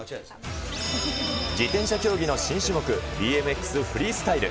自転車競技の新種目、ＢＭＸフリースタイル。